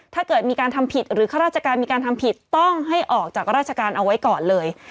ถ้าเกิดมีการทำผิดหรือข้าราชการมีการทำผิดต้องให้ออกจากราชการเอาไว้ก่อนเลย